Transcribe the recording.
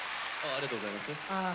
ありがとうございます。